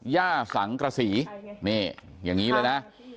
ย่าสังกระสีนี่อย่างนี้เลยนะ